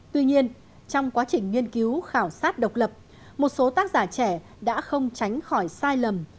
tuy nhiên trong quá trình nghiên cứu khảo sát độc lập một số tác giả trẻ đã không tránh khỏi sai lầm